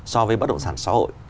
so với bất động sản xã hội